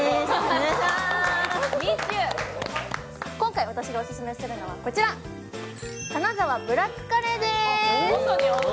今回私がオススメするのはこちら金沢ブラックカレーです。